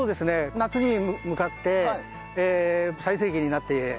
夏に向かって最盛期になって。